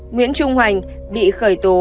nguyễn trung hoành bị khởi tố